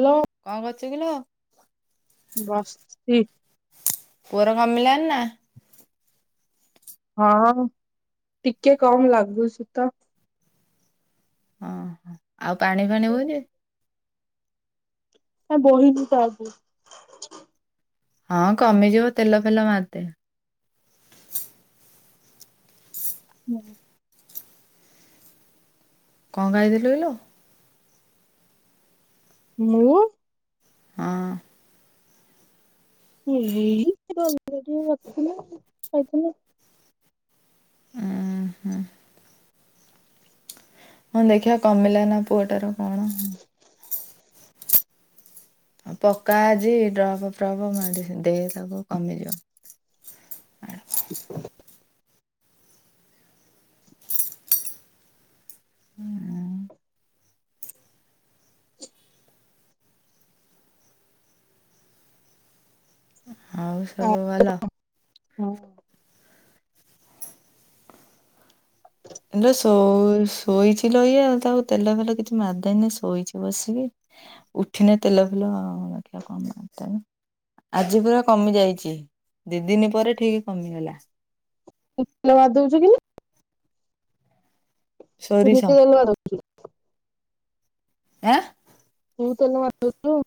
Hello ଶୁଵିଲା ବସିଛି ପୁଅର କମିଲାଣି ନା? ହଁ ଟିକେ କମ ଲାଗୁଛି ତ? ଓଁ ଆଉ ପାଣି ଫାଣି ହଉଛି। ହଁ ବହିିଲି ତ ଆଜି ହଁ କମିଯିବ ତେଲ ଫେଲ ମାରିଦେ ହୁଁ କଣ ଖାଇଥିଲୁ କିଲୋ? ମୁଁ ହଁ [unintelligible] ଉଁ ହୁ ହୁ ହଁ ଦେଖିବା କମିଲା ନା ପୁଅଟାର କଣ ପକା ଆଜି ଡ୍ରପ୍ ଫ୍ରପ୍ ମାଡିଛନ୍ତି ତାକୁ କମିଯାଉ। ଆ [inaudible] ଉଁ ଆଉ ସବୁ ଭଲ? ହଁ ଲୋ ଶୋଇଛି ଲୋ ଇଏ ଆଉ ତାକୁ ତେଲ ଫେଲ କିଛି ମାରଦେନି ଶୋଇଛି ବସିକି। ଉଠିଲେ ତେଲ ଫେଲ [unintelligible] ଆଜି ପୁରା କମି ଯାଇଛି ଦି ଦିନି ପରେ ଠିକ କମିଗଲା। ବାଦ ଦଉଛୁ କିଲୋ। ସୋରିଷ [unintelligible] ଆଁ ତୁ ତ ନୂଆ [unintelligible]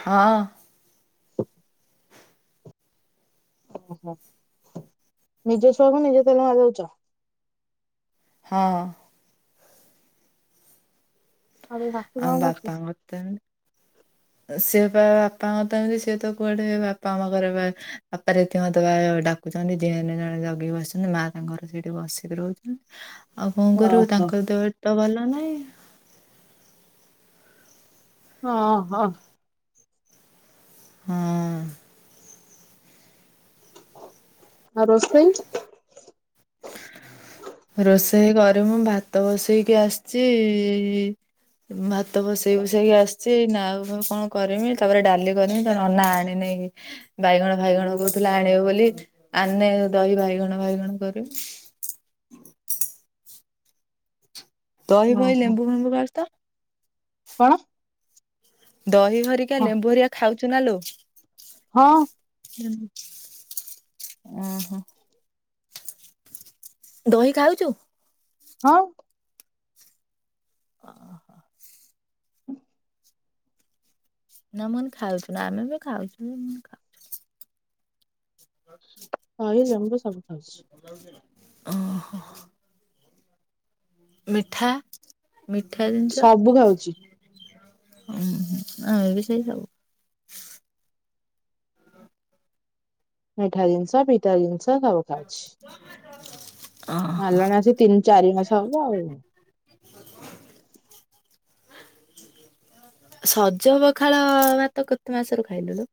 ହଁ। ଓହୋ ନିଜ ଛୁଆକୁ ନିଜେ ତେଲ ମାରି ଦେଉଛ? ହଁ। ଆଉ ତୋ ଶାଶୁ ଆ କଣ କରୁଛି? ବାପାଙ୍କ [unintelligible] ସିଏ ବା ବାପାଙ୍କ ତ ଏମିତି ସିଏ ତ କୁଆଡେ ବାପା ଆମ ଘର ବାପା [unintelligible] ଡାକୁଛନ୍ତି ଯିଏ ହେଲେ ଜଣେ ଜଗିକି ବସିଛନ୍ତି ମା ତାଙ୍କର ସେଇଠି ବସିକି ରହୁଛନ୍ତି। ଆଉ କଣ କରିବୁ ଓହୋ ତାଙ୍କ ଦେହ ତ ଭଲ ନାଇଁ। ହ ହ ହଁ। ଆ ରୋଷେଇ? ରୋଷେଇ କରିବୁ ମୁଁ ଭାତ ବସେଇକି ଆସିଛି ଭାତ ଭସେଇ ବସେଇକି ଆସିଛି ଏନା କଣ କରମି ତାପରେ ଡାଲି କରିମି ତୋ ନନା ଆଣିଲେ ହେ ବାଇଗଣ ଫାଇଗଣ କହୁଥିଲା ଆଣିବ ବୋଲି ଆଣିଲେ ଦହି ବାଇଗଣ ବାଇଗଣ କରିବୁ। [inaudible] ଦହି ଫହି ଓହୋ। ଲେମ୍ବୁ ଫେମ୍ବୁ କରିଛିତ। କଣ? ଦହି ହରିକା ହଁ ଲେମ୍ବୁ ହରିଆ ଖାଉଛୁ ନା ଲୋ? ହଁ। ଓହୋ। ଦହି ଖାଉଛୁ? ହଁ ଓ ହ ଉଁ ନମନ ଖାଉଥିଲା ଆମେ ବି ଖାଉଛୁନ ଖାଉଛୁ। [inaudible] ଲେମ୍ବୁ ଆବୁ ଖାଉଛି ଓ ହୋ ମିଠା ମିଠା ସବୁ ଖାଉଛି। ହଁ ହ ଆମେ ବି ସେ ସବୁ। ମିଠା ଜିନିଷ ପିଠା ଜିନିଷ ସବୁ ଖାଉଛି। ଓହୋ ଆଲାଣା ଯେ ତିନି ଚାରି ମାସ ହବ ଆଉ [inaudible] ସଜ ପଖାଳ ଭାତ କେତେ ମାସରୁ ଖାଇଲୁୁଣୁ?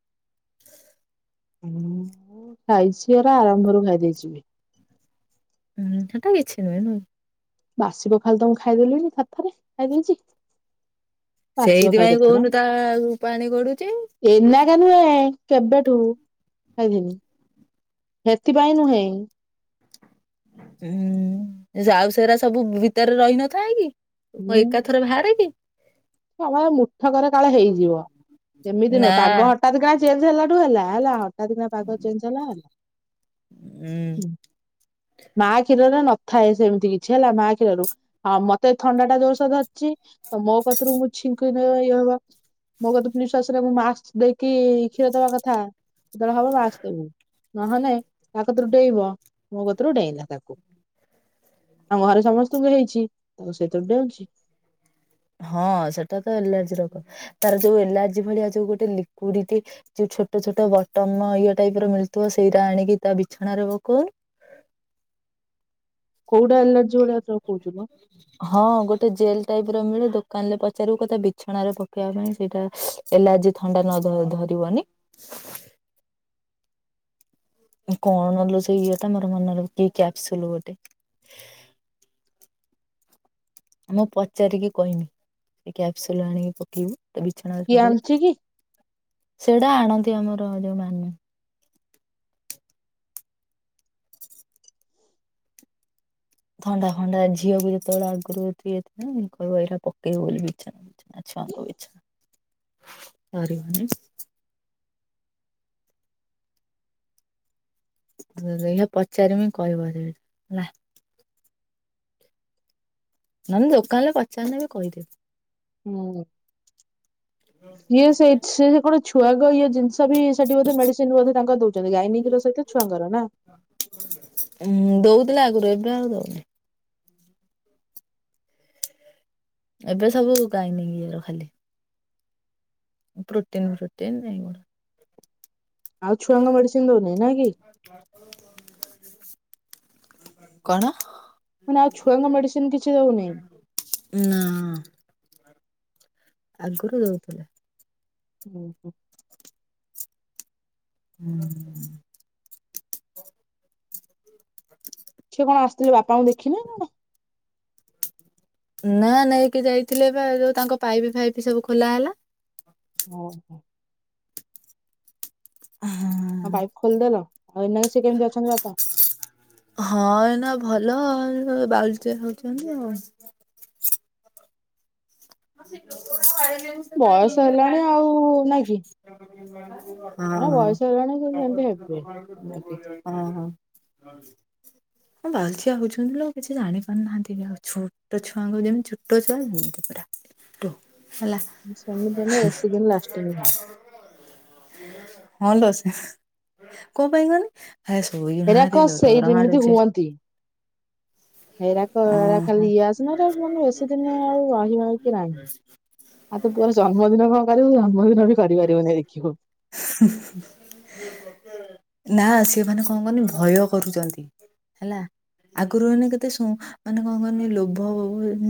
ହ ମୁଁ ଖାଇଛି ଏରା ଆରମ୍ଭରୁ ଖାଇ ଦେଇେଛି। ହୁଁ ହେଟା ମିଛ ନୁ ଏନୁ ବାସିବ ଖାଲି ତମଁ ଖାଇଦେଲିଣିି ହାତ ରେ ଖାଇଦେଇଛି। ପାସିବ କାଳେ ସେଇଥିପାଇଁ କେଥର କହୁନୁ ତା ପାଣି ଗଡୁଚି। ଏନା କା ନୁହେଁ କେବେଠୁ ଖାଇଥିନି ସେଥିପାଇଁ ନୁହେଁ ହୁଁ ଯାଉସରା ସବୁ ଭିତରେ ରହିନଥାଏ କି ମୁଁ ଏକା ଥର ବାହାରରେ କି ସମ ମୁଠକରେ କାଳ ହେଇଯିବ ସେମିତି ନୁହେଁ ନା ପାଗ ହଠାତ କାଁ ଜେଲ୍ ହେଲାଠୁ ହେଲା ହେଲା [inaudible] ରାତି ପାଘ ଚେଞ୍ ହେଲା ହୁଁ ଉଁ ମା କ୍ଷୀରରେ ନଥାଏ ସେମିତି କିଛି ହେଲା ମା କ୍ଷୀରରୁ ଆଉ ମତେ ଥଣ୍ଡା ଟା ଜୋରସୋର ଧରିଛି ତ ମୋ କଥରୁ ମୁଁ ଛିଙ୍କ ନେ ଇଏ ହବ ମଗତପ ନିଶ୍ଵାସରେ ମୁ ମାସ୍କ ଦେଇକି କ୍ଷୀର ଦେବା କଥା ଯେତେବେଳେ ହବ ମାସ୍କ ଦବୁ [inaudible] ନହେଲେ ତା କତରୁ ଡେଇଁବ ମୋ କଥରୁ ଡେଇଁଲା ତାକୁ ଆମ ଘରେ ସମସ୍ତଙ୍କୁ ହେଇଛି ସେତବେ ଯାଉଛି ହଁ ସେଟା ତ ଏଲାର୍ଜି ରୋଗ ତାର ଯୋଉ ଏଲାର୍ଜି ଭଳିଆ ଯୋଉ ଗୋଟେ ଲିକଉଡି ଛୋଟ ଛୋଟ ବଟମ ଇଏ ଟାଇପ ର ମିଳୁଥିବ ସେଇଟା ଆଣିକି ତା ବିଛଣାାରେ ପକଉନୁ। [inaudible] କୋଉଟା ଏଲର୍ଜି ଭଳିଆ ତୋର କହୁଛୁ ମ ହଁ ଗୋଟେ ଜେଲ ଟାଇପର ମିଳେ ଦୋକାନରେ ପଚାରିବୁ କଥା ବିଛଣାରେ ପକେଇବା ପାଇଁ ସେଇଟା ଏଲାର୍ଜି ଥଣ୍ଡା ନ ଧରିବନି [inaudible] କଣଲୁ ସେ ଇଏ ତ ମୋର ମନରେ କି କ୍ୟାପସୁଲ ଗୋଟେ ଆ ମୁଁ ପଚାରିକି କହିମି ସେ କ୍ୟାପସୁଲ ଆଣିକି ପକେଇବୁ ବିଛଣା କିଏ ଆଣିଛି ସବୁବେଳେ କି? ସେଟା ଆଣନ୍ତୁ ଆମର ଯୋଉମାନେ ଥଣ୍ଡା ଫଣ୍ଡା ଝିଅକୁ ଯେତେବେଳେ ଆଗରୁ ନା ଏଇଟା ପକେଇବ ବୋଲି ବିଛଣାରେ ବିଛଣା ସାରାନି [inaudible] ପଚାରିମି କହିବ ସେ ହେଲା ନହେଲେ ଦୋକାନରେ ପଚାରିଲେ ବି କହିଦେବେ ହୁଁ ଇଏ ସେ ସେ କଣ ଛୁଆଗ ଇଏ ଜିନିଷ ତଥାପି ସେଠି ବୋଧେ ମେଡିସିନ ବ ତାଙ୍କ ଦଉଛନ୍ତି ଗାଇନିଙ୍ଗ ର ସହିତ ଛୁଆଙ୍କର ନା ଉଁ ଦଉଥିଲା ଆଗରୁ ଏବେଆଉ ଦଉନି ଏବେ ସବୁ ଗାଇନିଙ୍ଗର ଖାଲି ପ୍ରୋଟିନ ପ୍ରୋଟିନ୍ ଏ ଗୋ ଆଉ ଛୁଆଙ୍କ ମେଡିସିନ୍ ଦଉନି ନାଇଁ କି କଣ ମାନେ ଆଉ ଛୁଆଙ୍କ ମେଡିସିନ କିଛି ଦଉନି। ନା ଆଗରୁ ଦଉଥିଲେ ହୁଁ ହୁ [inaudible] ହୁଁ [inaudible] ତ ବାପାଙ୍କୁ ଦେଖିନ କଣ ନା ନେଇକି ଯାଇଥିଲେ ବା ଯୋଉ ତାଙ୍କ ପାଇପ୍ ଫାଇପ୍ ସବୁ ଖୋଲା ହେଲା ଓ ହୋ ହ ହଁ ହ ପାଇପ୍ ଖୋଲିଦେଲ ଆଉ ଏ ସେ କେମିତି ଅଛନ୍ତି ବାପା ବାଉଳେ ଚାଉଳି ହଉଛନ୍ତି ଆଉ ଆ ସେ [inaudible] ବୟସ ହେଲାଣି ଆଉ ନା କିି ହଁ ହ ହଁ ହ ସେ ସେମିତି ହେବେ। ନା କି? [inaudible] ହଁ [inaudible] ହଁ ବାଉଳି ଚଉଳି ହଉଛନ୍ତି ନାଉ କିଛି ଜାଣି ପାରୁନାହାନ୍ତି ଆଉ ଛୋଟ ଛୁଆଙ୍କୁ ଯେମିତି ଛୋଟ ଛୁଆ ଯେମିତି ପୁରା ତ [inaudible] ସେମିତିିନ ବେଶୀ ଦିନ ଲାଷ୍ଟିଙ୍ଗ ନାଁ ହଁ ଲସ କୋଉ ପାଇଁ କହନି [inaudible] ଏ ଶୋଇ ହେରାକ ନାହାନ୍ତି ଲୋ ସେଇ ଡର ମାଡୁଚି ଏଇରାା ଏ ଖାଲି ଓହୋ। ଇଏ ଆସନା ମାନେ ବେଶୀ ଦିନ ଆଉ ରହିବା କି ରାଣିବ [inaudible] ଆଉ ତ ପୁଅର ଜନ୍ମଦିନ କଣ କରିବୁ? ଜନ୍ମଦିନ ବି କରିପାରିବୁନି ଦେଖିବୁ। ନା ସେ ମାନେ ଭୟ କରୁଚନ୍ତି ହେଲା। ଆଗରୁକେତେ ଶୁଣ ମାନେ କଣ କରନି ଲୋଭ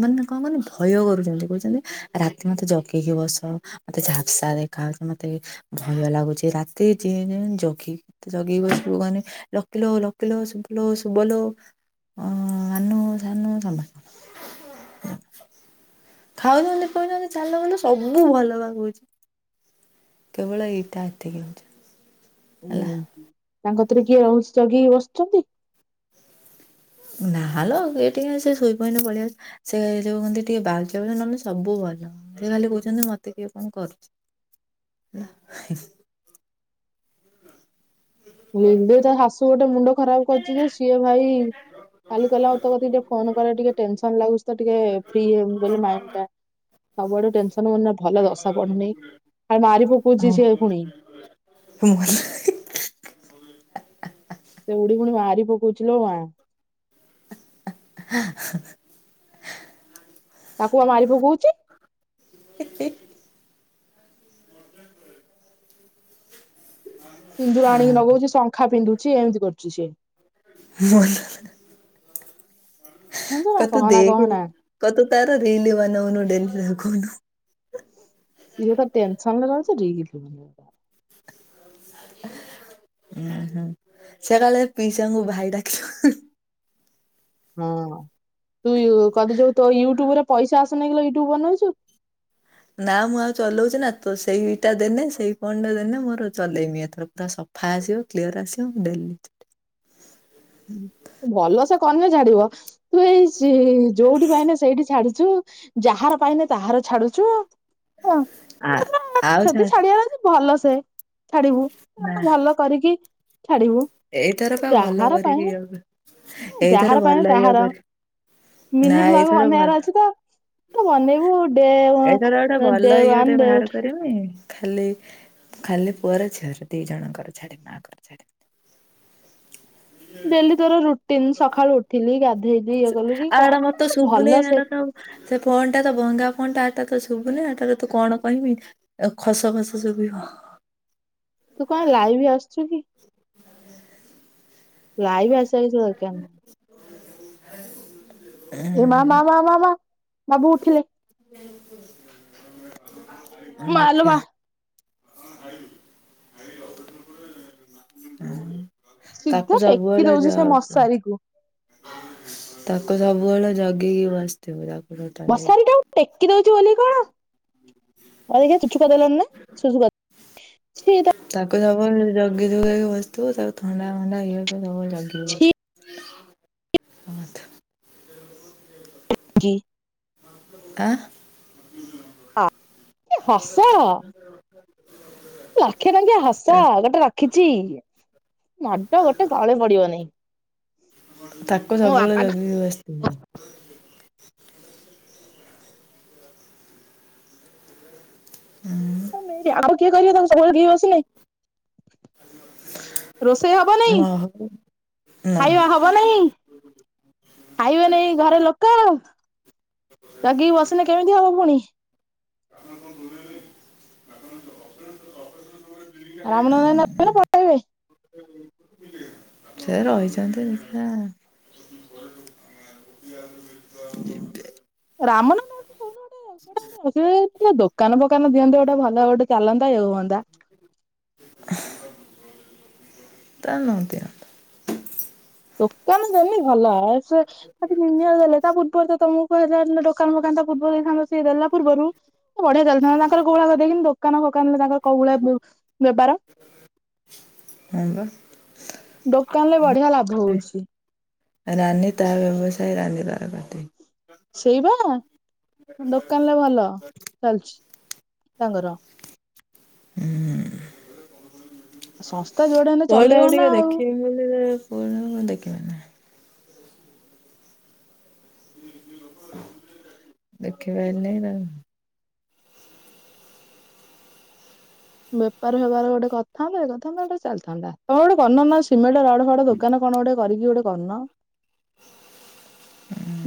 ମାନେ କଣ କରନି ଭୟ କରୁଛନ୍ତି କହୁଛନ୍ତି ରାତି ମତେ ଜଗିକି ବସ ମତେ ଝାପ୍ସା ଦେଖ କାହା ମତେ ଭୟ ଲାଗୁଚି ରାତି ଯେ ଜଗି ଜଗି ବସିବୁ ମାନେ ଲକିଲୋ ଲୋକିଲୋ ଶୁଭଲୋ ଶୁଭଲାନୁ ସାନୁ ସମସ୍ତ [inaudible] ଖାଉଛନ୍ତି ପିଉଛନ୍ତି ଚାଲୁଛନ୍ତି ସବୁ ଭଲ ବା କହୁଛି। କେବଳ ଏଇଟା ଏତିକି ଜିତିଷ। ହୁଁ ତାଙ୍କୁ କିଏ ରହୁ ଜଗି ବସିଛନ୍ତି? ନାଲୋ କି ଟିକେ ସେ ଶୋଇ ପନ ପଳେଇଆ ସେ ଯୋଉ କହନ୍ତି ଟିକେ ବାଉଳ ନହେଲେ ସବୁ ଭଲ। ସେ ଖାଲି କହୁଛନ୍ତି ମତେ କିଏ କଣ କରୁଛି ହେଲା। ତାର ଶାଶୁ ଗୋଟେ ମୁଣ୍ଡ ଖରାପ କରୁଛି ଯେ ସିଏ ଭାଇ କାଲି କଲେ ଆଉ ତ କ ଟିକେ ଫୋନ କଲେ ଟିକେ ଟେନସନ ଲାଗୁ ତ ଟିକେ ଫ୍ରି ହେବ ବୋଲି ମାଇଣ୍ଡ ଟା ସବୁଆଡୁ ଟେନସନ ମ ଭଲ ଦଶା ପଢୁନି ଖା ମାରିବୁ ପୂଜିଛି ଆଉ ପୁଣି। [inaudible] ସେ ବୁଢି ପୁଣି ବାହାରି ପକଉଚି ଲୋ ମା। [unintelligible] ତାକୁ ପା ମାରି ପକଉଛି। କେତେ ସିନ୍ଦୁର ଆଣିକି ଲଗଉଛି ଶଙ୍ଖା ପିନ୍ଧୁଛି ଏମିତି କରୁଛି ସି କହ ତୁ ଦେଖ କହନା କତୁ ତାର ରିିଲ ବାନଉନୁ ଡେଲି। [unintelligible] ସିଏ ତ ଟେନସନ ରହୁଛି ରିଲ ବନେଇବ ତାର ହଁ ହୁଁ ସେକାଳେ ପିସାଙ୍କୁ ଭାଇ ଡାକିବ ହଁ। ତୁ କଣ ତି ଯୋଉ ତୋ ୟୁଟ୍ୟୁବ ରେ ପଇସା ଆସୁନେଇ କିଲୋ ୟୁଟୁବ ବନଉଛୁ। ନା ମୁଁ ଆଉ ଚଲଉଛି ନା ତ ସେଇଟା ଦେନେ ସେଇ ଫୋନ୍ ଦେନେ ମୋର ଚଲେଇମି ଏଥର ପୁରା ସ ଫା ଆସିବ କିଲଅର ଆସିବ ମୁଁ [inaudible] ଭଲ ସେ କନେ ଛାଡିବ ତୁ ଏଇ ସି ଯୋଉଠି ପାଇଁନେ ସେଇଠି ଛାଡି ଛୁ ଯାହାର ପାଇନେ ତାହାର ଛାଡୁଛୁ। ହଁ ଆ [unintelligible] ଆଉ ଛା ଯଦି ଛାଡିବାର ଅଛି ଭଲ ସେ ଛାଡିବୁ ନା ଗୋଟେ ଭଲ କରିକି ଛାଡିବୁ ଏଇଥର ପା ଯାହାର ପାଇନେ [unintelligible] ଏଇଥର ଯାହାର ଭଲ ପାଇଁ ଇଏ ତାହାର। କରି ନା ମିନି ବ୍ଲଗ ଏଇଥର ଭଲ ବନେଇବାର ଅଛି ତ ତ ବନେଇବୁ ଆଉ ଏଇ ଥର ଗୋଟେ ଭଲ ଇଏ ଟେ ବାହାର କରିମି। ଖାଲି ଖାଲି ପୁଅର ଝିଅର ଦି ଜଣଙ୍କର ଛାଡିବି ମାଆଙ୍କର ଛାଡିବିନି। [inaudible] ଡେଲି ତୋର ରୁଟିନ ସକାଳୁ ଉଠିଲି ଗାଧେଇଲି ଇଏ କଲୁ କି ଆଉ ଏଇଟା ତ ମତେ କଣ ଶୁବୁନି ଭଲ ସେ ହେଲା ତ ସେ ଫୋନଟା ତ ଭଙ୍ଗା ଫୋନ ଟା ଏଟା ତ ଶୁଭୁନି ଏଟା ତ ତୁ କଣ କହିବି ଖସ ଖସ ଶୁଭିବ। ତୁ କଣ ଲାଇଭ୍ ଆସୁଛୁ କି? ଲାଇଭ ଆସିବା କିଛି ଦରକାର ନାହିଁ। [inaudible] ଏ ମା ମା ମା ମା ମା ବାବୁ ଉଠିଲେ। ମାଲୋ ମା ଦେଖା। ଉଁ ତାକୁ ସିଧା ଟେକି ସବୁବେଳେ ଜ ଦଉଛି ସେ ମଶାରୀକୁ। ତାକୁ ସବୁବେଳେ ଜଗିକି ବସିଥିବୁ ତାକୁ ଟୋଟାଲି ମସାରୀ ଟା ଟେକି ଦଉଛିୁ ବୋଲି କଣ ଆ ଦେଖିବା ଚୁଚୁ କରି ଦେଲଣିନା, ସୁସୁ ଛି ଏଇଟା କ ଜଗି ଜଗିକି ବସିଥିବ ତାକୁ ଥଣ୍ଡା ଫଣ୍ଡା ହେଇ କରିବ। ଜ-ଜଗିବ ଛି [inaudible] [unintelligible] ଆଁ? ଆ କି ହସ। ଲକ୍ଷେ ଟଙ୍କିଆ ହସ ଗୋଟେ ରଖିଛି, ମାଡ ଗୋଟେ ତଳେ ପଡିବନି। ତାକୁ ମୋ ସବୁବେଳେ ବାପା ଆଉ ଜଗିକି ବସିଥିବୁ। ଆଉ କାମ କିଏ କରିବ ତାକୁ ସବୁବେଳେ ଜଗିକି ବସିଲେ? ରୋଷେଇ ହବ ନ ନାଇଁ? ହଉ ନା ଖାଇବା ହବ ନାଇଁ, ଖାଇବେ ନାଇଁ ଘରେ ଲୋକ? ଜଗିକି ବସିଲେ କେମିତି ହବ ପୁଣି? [inaudible] ରାମନବମି [inaudible] ନା ପଠେଇବେ? ସେ ରହିଯାନ୍ତୁ ଦେଖିବା [inaudible] ରାମନବମୀ ରେ କୋଉଠି ଗୋଟେ, କୁଆଡେ ଗୋଟେ ରୋଷେଇ ଏ ଦୋକାନ ଫୋକାନ ଦିଅନ୍ତେ ଗୋଟେ ଭଲ ଗୋଟେ ଚାଲନ୍ତା ଇଏ ହୁଅନ୍ତା। ତା ନ ଦିଅନ୍ତୁ। ଦୋକାନ ଦେନି ଭଲ ସେଠ ଦୁନିଆ ଦେଲେ ତା ପୂର୍ବରୁ ତମକୁ କୁହା ହେଇଥିଲା ଦୋକାନ ଫୋକନ୍ ତାକୁ ଦେଇଥାନ୍ତତା ସେ ଦେଲା ପୂର୍ବରୁ ବଢିଆ ଚାଲିଥାନ୍ତା ତାଙ୍କର କୋଉଳି ଦେଇକି ଦୋକାନ ଖ ଦୋକାନରେ ତାଙ୍କର କୋଉ ଭଳିଆ ବେପାର? ହଁ ବା ଦୋକାନ ରେ ବଢିଆ ଲାଭ ହଉଛି। ରାନୀ ତା ବ୍ୟବସାୟ ରାନୀ ର ପାଟି। ସେଇବା ଦୋକାନରେ ଭଲ ଚାଲଛି। ତାଙ୍କର। ହୁଁ। ସଂସ୍ଥା ଯୋଉଟା ହେଲେ ଚଲେଇବ ପୁଅଟାକୁ ନା ଟିକେ ଆଉ ଦେଖିମୀ ବୋଲି ତ ପୁଅଟା କୁ ଦେଖି ପାରୁନି। ଦେଖି ବଲେ ନାହିଁ। ବେପାର ଫେପାର ଗୋଟେ କରିଥାନ୍ତେ ଇଏ କରିଥାନ୍ତେ ଗୋଟେ ଚାଲିଥାନ୍ତା, ତମର ଗୋଟେ ବନଉନ ସିମେଣ୍ଟ ଗୋଟେ ରଡ ଫଡ ଦୋକାନ କଣ ଗୋଟେ କରିକି ଗୋଟେ କରୁନ।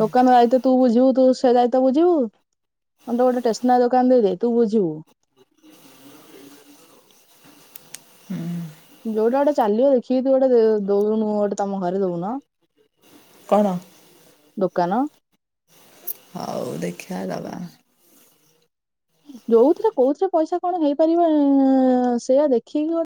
ଦୋକାନ ଦାୟିତ୍ୱ ତୁ ବୁଝିବୁ, ତୁ ସେ ଦାୟିତ୍ଵ ବୁଝିବୁ? ତତେ ଗୋଟେ ଷ୍ଟେସନାରୀ ଦୋକାନ ଦେଇଦେ, ତୁ ବୁଝିବୁ। [unintelligible] ହୁଁ ଯୋଉଟା ଗୋଟେ ଚାଲିବ ଦେଖ ସିଏ ତୁ ଗୋଟେ ଦଉନୁ ଗୋଟେ ତମ ଘରେ ଦଉନ, କଣ ଦୋ କାନ ହଉ ଦେଖିବା ଦବା। ଯୋଉଥିରେ କୋଉଥିରେ ପଇସା କଣ ହେଇପାରିବ ସେଇୟା ଦେଖିକି ଗୋଟେ